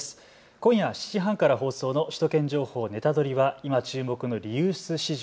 今夜７時半から放送の首都圏情報ネタドリ！は今、注目のリユース市場。